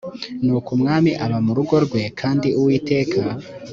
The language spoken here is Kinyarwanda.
nuko umwami aba mu rugo rwe kandi uwiteka